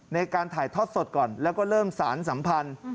ในการถ่ายทอดสดก่อนแล้วก็เริ่มสารสัมพันธ์